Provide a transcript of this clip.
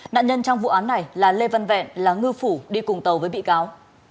nạn nhân trong vụ án này là lê văn vẹn là ngư phủ đi cùng tàu